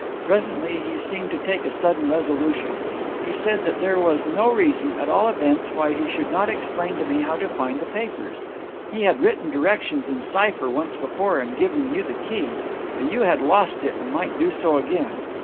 Presently he seemed to take a sudden resolution. He said that there was no reason, at all events, why he should not explain to me how to find the papers. He had written directions in cipher once before and given you the key, but you had lost it, and might do so again.